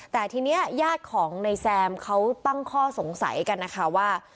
แต่ทีนี้ญาติของนายแซมเขาตั้งข้อสงสัยกันนะคะว่า